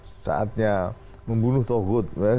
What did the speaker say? kemudian saatnya amalia ini ke waktu demo tuh sampai kan di medsos